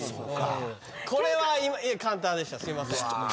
これは簡単でしたすいません。